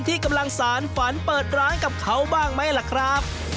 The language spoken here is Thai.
ที่กำลังสารฝันเปิดร้านกับเขาบ้างไหมล่ะครับ